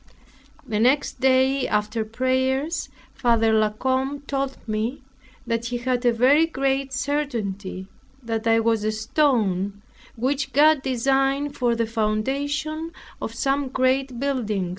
The next day, after prayers, Father La Combe told me, that he had a very great certainty, that I was a stone which God designed for the foundation of some great building.